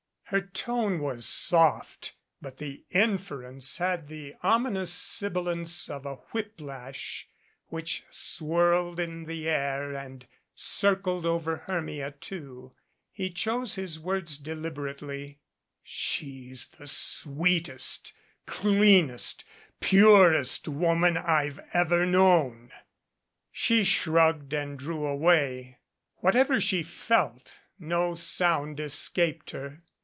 Her tone was soft, but the inference had the ominous sibilance of a whip lash, which swirled in the air and circled over Hermia, too. He chose his words delib erately. "She's the sweetest, cleanest, purest woman I've ever known." She shrugged and drew away. Whatever she felt, no sound escaped her.